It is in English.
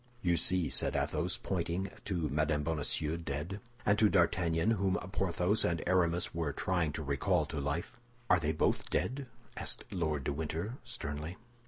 "You see!" said Athos, pointing to Mme. Bonacieux dead, and to D'Artagnan, whom Porthos and Aramis were trying to recall to life. "Are they both dead?" asked Lord de Winter, sternly.